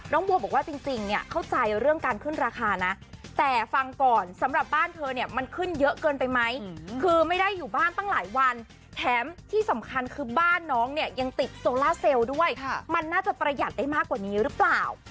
บัวบอกว่าจริงเนี่ยเข้าใจเรื่องการขึ้นราคานะแต่ฟังก่อนสำหรับบ้านเธอเนี่ยมันขึ้นเยอะเกินไปไหมคือไม่ได้อยู่บ้านตั้งหลายวันแถมที่สำคัญคือบ้านน้องเนี่ยยังติดโซล่าเซลล์ด้วยมันน่าจะประหยัดได้มากกว่านี้หรือเปล่า